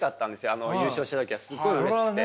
あの優勝した時はすごいうれしくて。